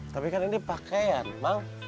tapi kan ini pakaian bang